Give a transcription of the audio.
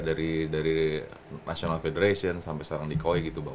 dari national federation sampai sekarang di koi gitu bang